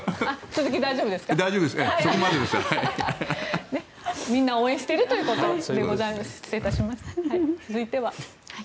続いては。